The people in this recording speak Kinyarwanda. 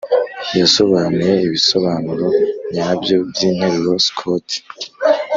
yasobanuye ibisobanuro nyabyo byinteruro. scott